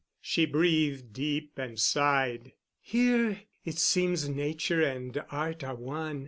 She breathed deep and sighed. "Here it seems Nature and Art are one.